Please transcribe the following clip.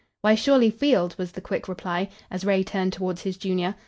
"Why, surely, Field," was the quick reply, as Ray turned toward his junior.